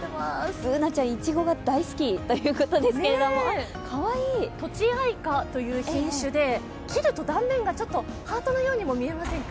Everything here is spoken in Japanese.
Ｂｏｏｎａちゃん、いちごが大好きということですが、かわいいとちあいかという品種で、切ると断面がちょっとハートのようにも見えませんか？